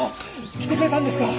来てくれたんですか！